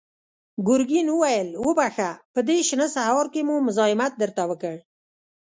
ګرګين وويل: وبخښه، په دې شنه سهار کې مو مزاحمت درته وکړ.